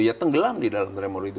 dia tenggelam di dalam tremor itu